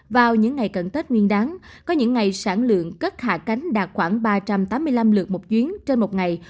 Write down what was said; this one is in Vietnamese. vào những ngày cận tết nguyên đáng có những ngày sản lượng cất hạ cánh đạt khoảng ba trăm tám mươi năm lượt một chuyến trên một ngày